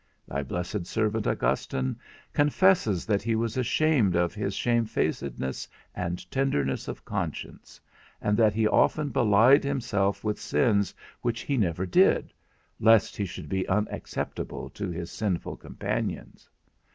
Thy blessed servant Augustine confesses that he was ashamed of his shamefacedness and tenderness of conscience, and that he often belied himself with sins which he never did, lest he should be unacceptable to his sinful companions.